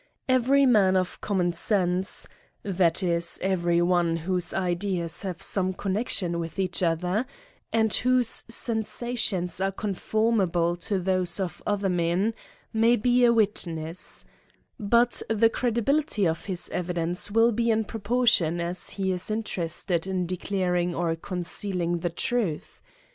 Every man of common sense, that is, every one whose ideas have some connection with each other, and whose sensations arc conformable to those of other men, may be a witness ; but the credibility of his evi dence will be in proportion as he is interested in declaring or concealing the truth.